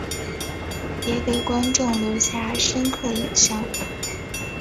也给观众留下深刻影象。